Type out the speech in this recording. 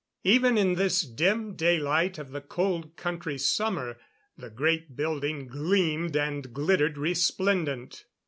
Even in this dim daylight of the Cold Country summer, the great building gleamed and glittered resplendent.